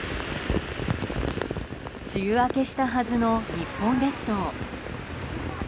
梅雨明けしたはずの日本列島。